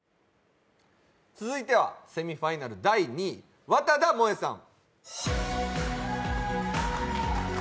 続いてはセミファイナル第２位、和多田萌衣さん。